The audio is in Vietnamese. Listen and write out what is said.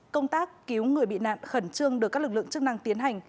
công tác cứu người bị nạn khẩn trương được các lực lượng chức năng tiến hành